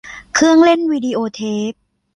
เครื่องเล่นวีดีโอเทป